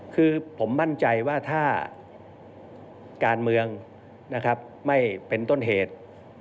คือผมมั่นใจว่าถ้าการเมืองนะครับไม่เป็นต้นเหตุ